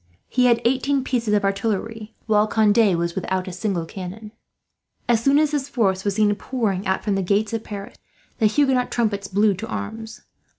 He had eighteen pieces of artillery, while Conde was without a single cannon. As soon as this force was seen pouring out from the gates of Paris, the Huguenot trumpets blew to arms.